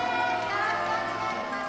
よろしくお願いします。